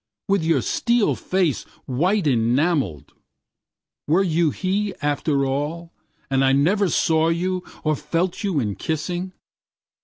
With your steel face white enamelled, Were you he, after all, and I neverSaw you or felt you in kissing?